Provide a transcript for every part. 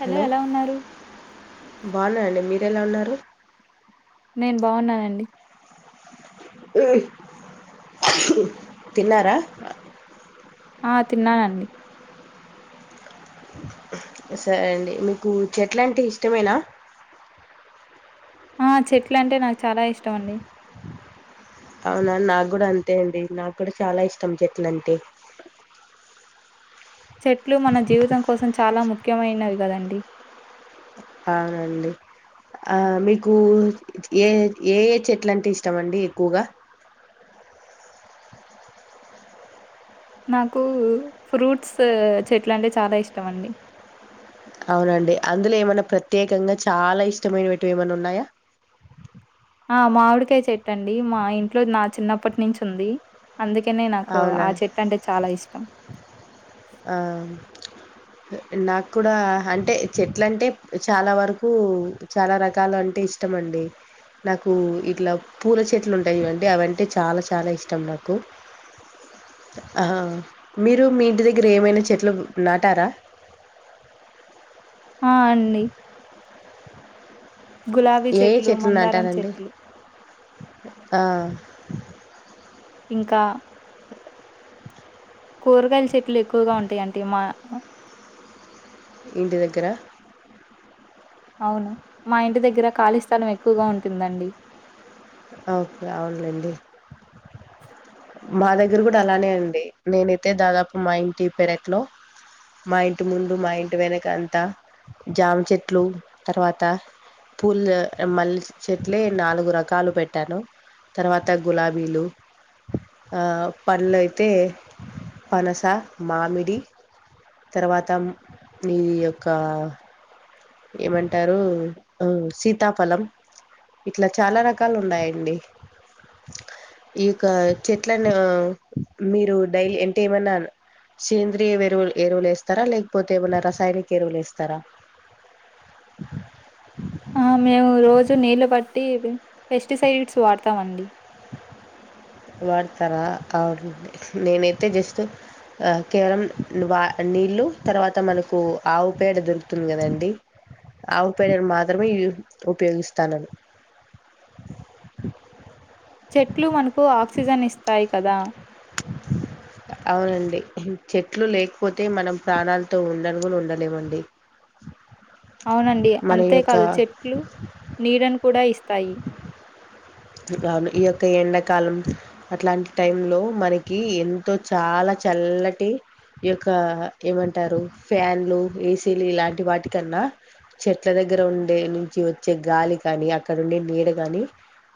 Hello ఎలా ఉన్నారు. బాగున్నా అండి మీరెలా ఉన్నారు. నేన్ బాగున్నానండి తిన్నారా ఆ తిన్నానండి. సరే అండి మీకు చెట్లు అంటే ఇష్టమేనా ఆ చెట్లు అంటే నాకు చాలా ఇష్టం అండి అవునా నాకు గూడా అంతే అండి నాకు కూడా చాలా ఇష్టం చెట్లు అంటే చెట్లు మన జీవితం కోసం చె చాలా ముఖ్యమైనవి కదండి అవునండి ఆ మీకు యేఏ యేఏ చెట్లు అంటే ఇష్టం అండి ఎక్కువగా, నాకు ఫ్రూట్స్ చెట్లు అంటే చాలా ఇష్టం అండి అవునండి అందులో ఏమన్నా ప్రత్యేకంగా చాలా ఇష్టమైనటివి ఏమైనా ఉన్నాయా ఆ మామిడికాయ్ చెట్టండి మా ఇంట్లో నా చిన్నప్పటి నుంచి ఉంది అందుకనే నాకు అవునా ఆ చెట్టు అంటే చాలా ఇష్టం ఆ నాక్కూడా అంటే చెట్లు అంటే చాలా వరకు చాలా రకాలు అంటే ఇష్టం అండి. నాకు ఇట్లా పూల చెట్లు ఉంటాయి చూడండి అవి అంటే చాలా చాలా ఇష్టం నాకు, ఆహా మీరు మీ ఇంటి దగ్ మీరు ఏమైనా చెట్లు నాటారా ఆ అండి గులాబీ ఏ ఏ చెట్లు మందారం నాటరు అండి చెట్లు ఆ ఇంకా కూరగాయల చెట్లు ఎక్కువగా ఉంటాయంటి మా ఇంటి దగ్గర అవును మా ఇంటి దగ్గర ఖాళీ స్థలం ఎక్కువగా ఉంటుందండి ఓకే అవునులేండి మా దగ్గర కూడా అలానే అండి, నేనైతే దాదాపు మా ఇంటి పెరట్లో మా ఇంటి ముందు మా ఇంటి వెనక అంతా జామ చెట్లు, తర్వాత పూలు మల్లె చెట్లే నాలుగు రకాలు పెట్టాను తర్వాత గులాబీలు. ఆ పళ్ళు అయితే పనస మామిడి తర్వాత నీయొక్క ఏమంటారు మ్ సీతాఫలం ఇట్ల చాలా రకాలు ఉన్నాయండి, ఈక చెట్లలను మీరు డైలీ అంటే, ఏమన్న సేంద్రియ ఎరువులు ఎరువులు వేస్తారా, లేకపోతే ఏమైనా రసాయనిక ఎరువులు వేస్తారా హ మేము రోజు నీళ్ళు బట్టి పెస్టిసైడ్స్ వాడతామండి వాడతారా అ నేనైతే జస్ట్ ఆ కేవలం వా నీళ్లు తర్వాత మనకు ఆవు పేడ దొరుకుతుంది కదండి, ఆవు పేడను మాత్రమే ఉ ఉపయోగిస్తాను. చెట్లు మనకు ఆక్సిజన్ ఇస్తాయి కదా అవునండి చెట్లు లేకపోతే మనం ప్రాణాలతో ఉండనుగును ఉండలేమండి అవునండి మన అంతేకాదు యొక్క చెట్లు నీడను కూడా ఇస్తాయి అవును ఈ యొక్క ఎండాకాలం అట్లాంటి టై లో మనకి ఎంతో చాలా చల్లటి, ఈ యొక్క ఏమంటారు ఫ్యాన్లు ఏసీలు ఇలాంటి వాటికన్నా, చెట్ల దగ్గర ఉండే నుంచి వచ్చే గాలి కాని అక్కడ ఉండే నీడ కాని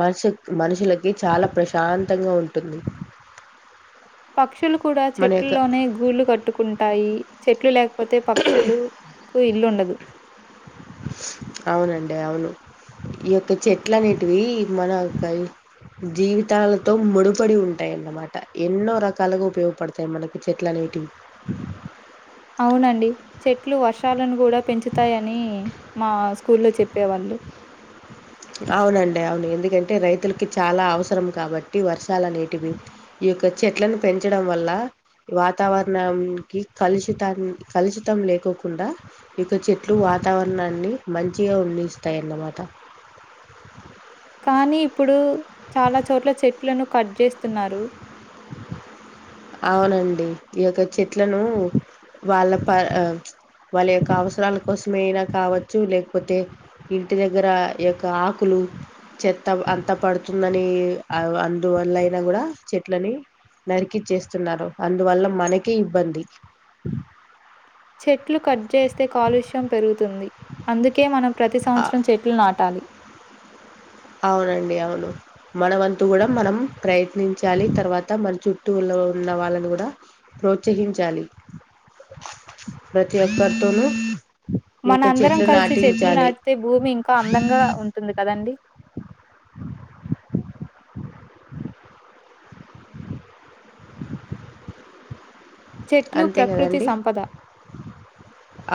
మనషు మనుషులకి చాలా ప్రశాంతంగా ఉంటుంది పక్షులుకు కూడా మన యొక్క చెట్లలోనే గూళ్ళలు కట్టుకుంటాయి చెట్లు లేక లేకపోతే పక్షులు కు ఇల్లు ఉండదు అవునండి అవును ఈ యొక్క చెట్ల అనేటివి, మన మ యొక్క జీవితాలతో ముడిపడి ఉంటాయిన్నమాట ఎన్నో రకాలుగా ఉపయోగపడతాయి మనకి చెట్లు అనేటివి అవునండి చెట్లు వర్షాలను కూడా పెంచుతాయని మా స్కూల్లో చెప్పేవాళ్ళు అవునండి అవును ఎందుకంటే రైతులకి చాలా అవసరం కాబట్టి వర్షాల నీటి బిందు ఈ యొక్క చెట్లను పెంచడం వల్ల వాతావరణానికి కలుషితాన్ని కలుషితం లేకోకుండా ఈ యొక్క చెట్లు వాతావరణాన్ని మంచిగా ఉండినిస్తాయి అన్నమాట కానీ ఇప్పుడు చాలా చోట్ల చెట్లను కట్ చేస్తున్నారు అవునండి ఈ యొక్క చెట్లను వాళ్ళ ప వాళ్ళ యొక్క అవసరాల కోసమే అయినా కావచ్చు లేకపోతే ఇంటి దగ్గర యొక్క ఆకులు చెత్త అంతా పడుతుందని అందువల్ల అయినా కూడా చెట్లని నరికిచ్చేస్ తున్నారు అందువల్ల మనకే ఇబ్బంది చెట్లు కట్ చేస్తే కాలుష్యం పెరుగుతుంది అందుకే మనం ప్రతి ఆ- సంవత్సరం చెట్లు నాటాలి అవునండి అవును మన వంతు కూడా మనం ప్రయత్నించాలి తర్వాత మన చుట్టూలో ఉన్న వాళ్ళను కూడా ప్రోత్సహించాలి ప్రతి ఒక్కరితోనూ ఈ మన యొక్క అందరం చెట్లు కలిసి చెట్లు నాటించాలి నాటితే భూమి ఇంకా అందంగా ఉంటుంది కదండి చెట్లు అంతే ప్రకృతి కదండి సంపద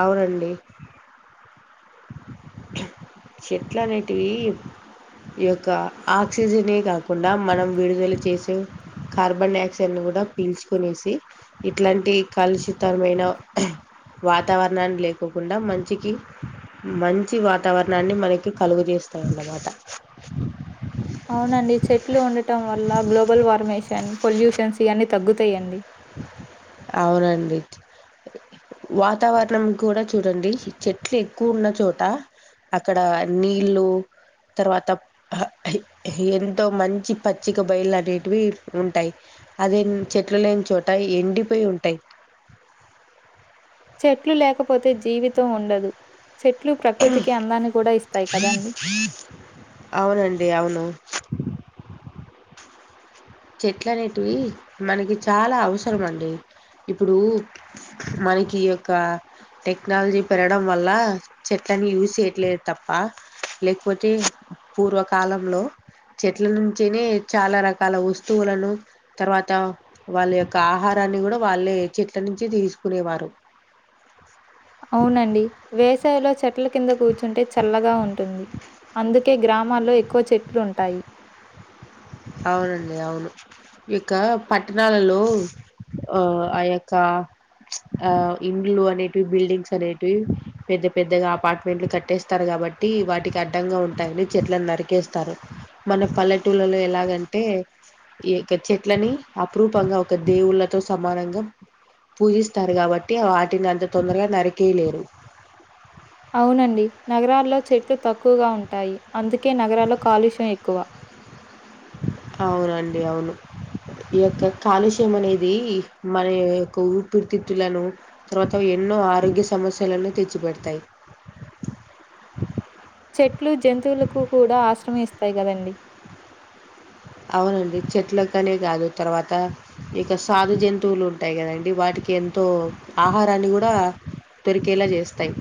అవునండి చెట్లు అనేటివి ఈ యొక్క ఆక్సిజనే కాకుండా మనం విడుదల చేసే కార్బన్ డైఆక్సైడ్ను కూడా పీల్చుకునేసి ఇట్లాంటి కాలుషితరమైన వాతావరణాన్ని లేకోకుండా మంచికి మఅన్ చి వాతావరణాన్ని మనకి కలుగు చేేస్తాయన్నమాట అవునండి చెట్లు ఉండటం వల్ల గ్లోబల్ వార్మేషన్ పొల్యూషన్స్ ఇవన్నీ తగ్గుతాయండీ అవునండి వాతావరణం కూడా చూడండి చెట్లు ఎక్కువ ఉన్న చోట అక్కడ నీళ్ళు తర్వాత హా హి హే ఎంతో మంచి పచ్చిక బయలు అనేటివి ఉంటాయి అదే చెట్లు లేని చో ట ఉంటాయి ఎండిపోయి ఉంటాయి చెట్లు లేకపోతే జీవితం ఉండదు చెట్లు హా ప్రకృతికి అందాన్ని కూడా ఇస్తాయి కదండి. అవునండి అవును చెట్లు అనేటివి మనకి చాలా అవసరం అండి ఇప్పుడు మనకి ఈ యొక్క టెక్నాలజీ పెరగడం వల్ల చెట్లని యూస్ చేయట్లేదు తప్ప లేకపోతే పూర్వకాలంలో చెట్ల నుంచేనే చాలా రకాల వస్తు స్తువులను తర్వాత వాళ్ళ యొక్క ఆహారాన్ని కూడా వాళ్ళే చెట్ల నుంచి తీసుకునేవారు అవునండి వేసవిలో చెట్ ట్ల కింద కూర్చుంటే చల్లగా ఉంటుంది అందుకే గ్రామాల్లో ఎక్కువ చెట్లు ఉంటాయి అవునండి అవును ఇక పట్టణాలలో ఆ ఆ యొక్క ఆ ఇండ్లు అనేటివి బిల్డింగ్స్ అనేటివి పెద్ద పెద్దగా అపార్ట్మెంట్లు కట్టేస్తారు కాబట్టి వాటికి అడ్డంగా ఉంటాయనీ చెట్లను నరికేస్తారు మన పల్లెటూలలో ఎలాగా అంటే ఈ యొక్క చెట్లని అపురూపంగా ఒక దేవుళ్ళతో సమానంగా పూజిస్తారు కాబట్టి వాటిని అంత తొందరగా నరికేయలేరు అవునండి నగరాల్లో చెట్లు తక్కువగా ఉంటాయి అందుకే నగరాల్లో కాలుష్యం ఎక్కువ అవునండి అవును ఈ యొక్క కాలుష్యం అనేది మన యొక్క ఊపిరితిత్తులను తర్వాత ఎన్నో ఆరోగ్య సమస్యలను తెచ్చి పెడతాయి చెట్లు జంతువులకు కూడా ఆస్ ఆశ్ర ఇస్తాయి కదండి అవునండి చెట్లకనే కాదు తర్వాత ఇక సాగు జంతువులు ఉంటాయి కదండడి వాటికి ఎంతో ఆహారాన్ని కూడా దొరికేలా చేస్తాయి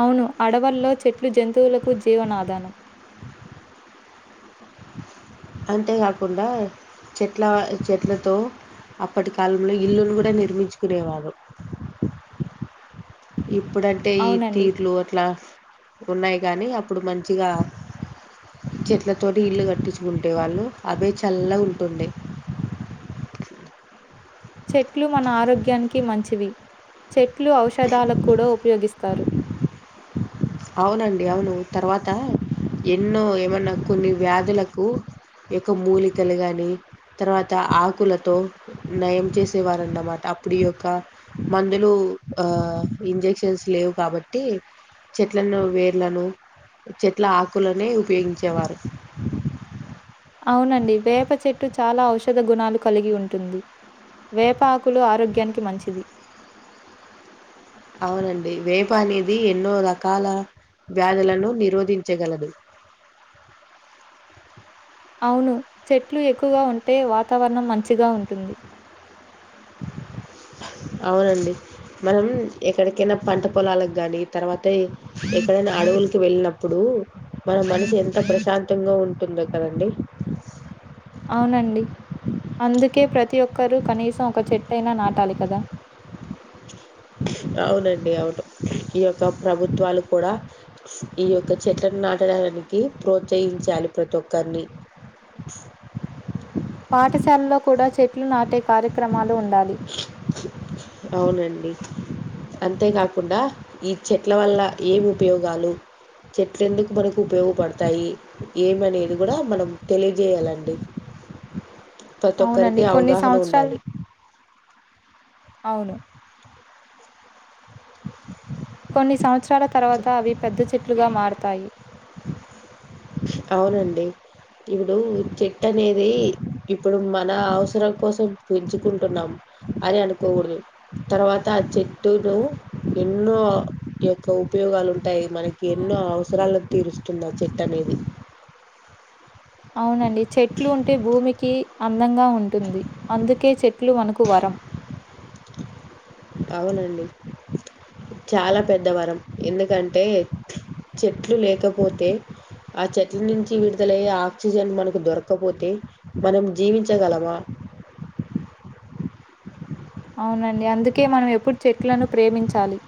అవును అడవల్లో చెట్లు జంతువులకు జీవనాధానం అంతేకాకుండా చెట్ల చెట్లతో అప్పటి కాలంలో ఇల్లును కూడా నిర్మించుకునేవారు ఇప్పుడంటే ఈ అవునండి. తీర్లు అట్లా ఉన్నాయి గానీ అప్పుడు మంచిగా చెట్లతోటి ఇల్లు కట్టించుకుంటే వాళ్ళు అవే చల్లగు ఉంటుండే చెట్లు మన ఆరోగ్యానికి మంచివి చెట్ లు ఔషధాలకు కూడా ఉపయోగిస్తారు అవునండి అవును తర్వాత ఎన్నో ఏమన్నా కొన్ని వ్యాధులకు యొక్క మూలికలు కానీ తర్వాత ఆకులతో నయం చేసేవారు అన్నమాట అప్పుడు ఈ యొక్క మందులు ఆ ఇంజక్షన్స్ లేవు కాబట్టి చెట్లను వేర్లను చెట్ల ఆకులనే ఉపయోగించేవారు అవునండి వేప చెట్టు చాలా ఔషధ గుణాలు కలిగి ఉంటుంది వేప ఆకులు ఆరోగ్యానికి మంచిది అవునండి వేప అనేది ఎన్నో రకాల వ్యాధులను నిరోధించగలదు అవును చెట్లు ఎక్కువగా ఉంటే వాతావరణం మంచిగా ఉంటుంది అవునండి మనం ఎక్కడికైనా పంట పొలాలకు ని తర్వాత ఎక్కడైనా అడవులకి వెళ్ళినప్పుడు మన మనసు ఎంత ప్రశాంతంగా ఉంటుందో కదండి అవునండి అందుకే ప్రతి ఒక్కరూ కనీసం ఒక చెట్టయినా నాటాలి కదా అవునండి అవును ఈ యొక్క ప్రభుత్వాలు కూడా ఈ యొక్క చెట్లను నాటడానికి ప్రోత్సహించాలి ప్రతి ఒక్కరిని పాఠశాలలో కూడా చెట్లు నాటి అంటే కార్యక్రమాలు ఉండాలి అవునండి అంతేకాకుండా ఈ చెట్ల వల్ల ఏమి ఉపయోగాలు చెట్లు ఎందుకు మనకు ఉపయోగపడతాయి ఏమనేది కూడా మనం తెలియజేయాలండి ప్రతి అవునండి ఒక్కరికి కొన్ని అవగాహన సంవత్సరాలు ఉండాలి అవును [inaudible] కొన్ని సంవత్సరాల తర్వాత అవి పెద్ద చెట్లుగా మార తాయి అవునండి ఇప్పుడు చెట్టు అనేది ఇప్పుడు మన అవసరం కోసం పెంచుకుంటున్నాం అని అనుకోకూడదు తర్వాత ఆ చెట్టును ఎన్నో యొక్క ఉపయోగాలు ఉంట ఉంటాయి మనకి ఎన్నో అవసరాలు తీరుస్తుంది చెట్టు అనేది అవునండి చెట్లు ఉంటే భూమికి అందంగా ఉంటుంది అందుకే చెట్లు మనకు వరం అవునండి చాలా పెద్దవరం ఎందుకంటే చెట్లు లేకపోతే ఆ చెట్ల నుంచి విడుదలయ్యే ఆక్సిజన్ మనకు దొరకపోతే మనం జీవించగలమా అవునండి అందుకే మనం ఎప్పుడు చెట్లను ప్రేమించాలి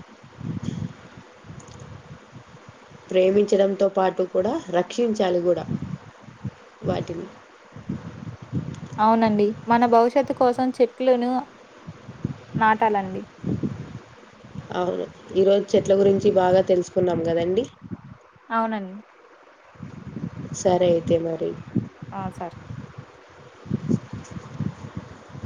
ప్రేమించడంతో పాటు కూడా రక్షించాలి కూడా వాటిని అవునండి మన భవిష్యత్తు కోసం చెట్లను నాటాలండి అవును ఈరోజు చెట్ల గురించి బాగా తెలుసుకున్నాం కదండి అవునండి సరే అయితే మరి ఆ! సరే.